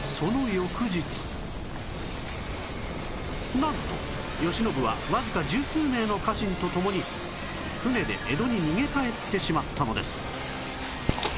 なんと慶喜はわずか十数名の家臣と共に舟で江戸に逃げ帰ってしまったのです